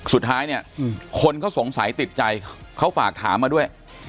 สุดท้ายเนี่ยคนเขาสงสัยติดใจเขาฝากถามมาด้วย